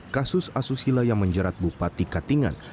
kasus asusila yang menjerat bupati katingan